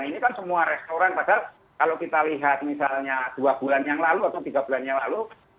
ini kan semua restoran padahal kalau kita lihat misalnya dua bulan yang lalu atau tiga bulan yang lalu